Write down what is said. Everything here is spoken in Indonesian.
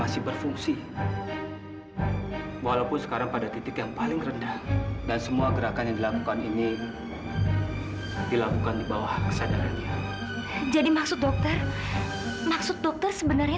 sampai jumpa di video selanjutnya